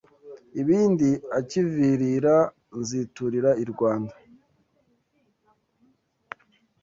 Ibindi akivirira Nziturira i Rwanda